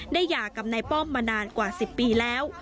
หย่ากับนายป้อมมานานกว่า๑๐ปีแล้ว